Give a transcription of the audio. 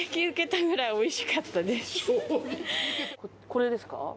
これですか？